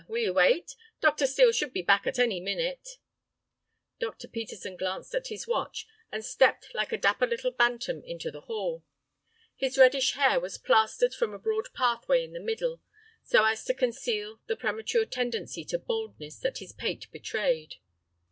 Will you wait? Dr. Steel should be back at any minute." Dr. Peterson glanced at his watch, and stepped like a dapper little bantam into the hall. His reddish hair was plastered from a broad pathway in the middle, so as to conceal the premature tendency to baldness that his pate betrayed. Dr.